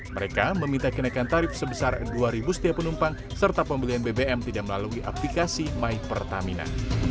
mereka meminta kenaikan tarif sebesar rp dua setiap penumpang serta pembelian bbm tidak melalui aplikasi my pertamina